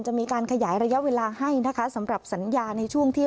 จะมีการขยายระยะเวลาให้นะคะสำหรับสัญญาในช่วงที่